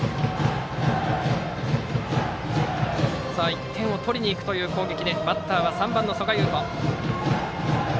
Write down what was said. １点を取りに行くという攻撃でバッターは３番の曽我雄斗。